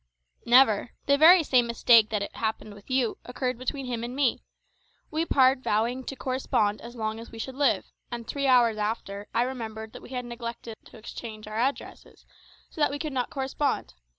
"Never. The very same mistake that happened with you occurred between him and me. We parted vowing to correspond as long as we should live, and three hours after I remembered that we had neglected to exchange our addresses, so that we could not correspond.